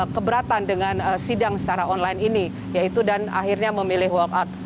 keberatan dengan sidang secara online ini yaitu dan akhirnya memilih walk out